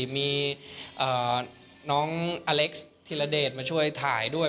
มีน้องอเล็กซ์ธิระเดชมาช่วยถ่ายด้วย